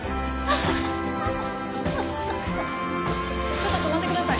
ちょっと止まってください。